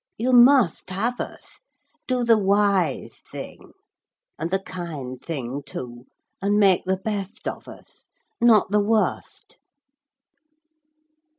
You mutht have uth. Do the withe thing and the kind thing too, and make the betht of uth ; not the wutht."